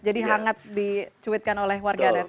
jadi hangat dicuitkan oleh warga net